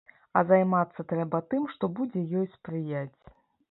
А займацца трэба тым, што будзе ёй спрыяць.